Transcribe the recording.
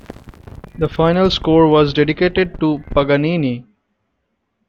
The final score was dedicated to Paganini.